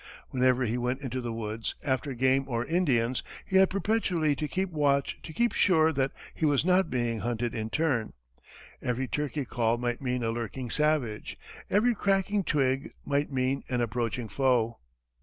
Whenever he went into the woods after game or Indians, he had perpetually to keep watch to make sure that he was not being hunted in turn. Every turkey call might mean a lurking savage, every cracking twig might mean an approaching foe.